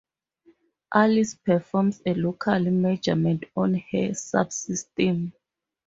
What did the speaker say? Alice performs a local measurement on her subsystem.